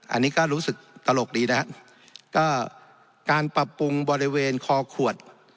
อันนี้ก็รู้สึกตลกดีนะฮะก็การปรับปรุงบริเวณคอขวด